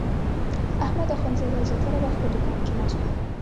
احمد اخوندزاده زیاتره وخت په دوکان کې ناست و.